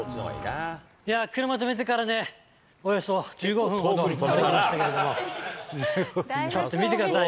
車止めてからね、およそ１５分ほど歩きましたけども、ちょっと見てください。